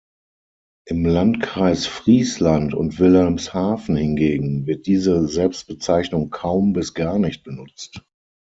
Im Landkreis Friesland und Wilhelmshaven hingegen wird diese Selbstbezeichnung kaum bis gar nicht benutzt.